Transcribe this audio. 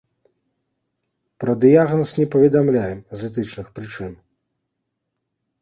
Пра дыягназ не паведамляем з этычных прычын.